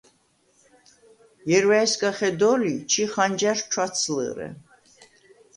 ჲერუ̂ა̈ჲ სგა ხედო̄ლი, ჩი ხანჯარშუ̂ ჩუ̂’აცლჷ̄რე.